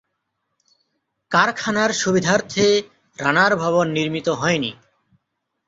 কারখানার সুবিধার্থে রানার ভবন নির্মিত হয়নি।